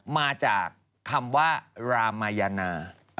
มาจากคำว่ารามายานา